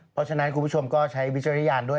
เพราะฉะนั้นคุณผู้ชมก็ใช้วิจารณญาณด้วย